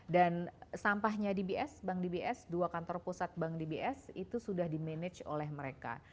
dan sampahnya dbs bank dbs dua kantor pusat bank dbs itu sudah di manage oleh mereka